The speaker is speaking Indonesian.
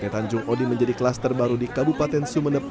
tanjung odi menjadi kelas terbaru di kabupaten sumeneb